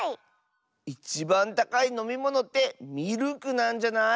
いちばんたかいのみものってミルクなんじゃない？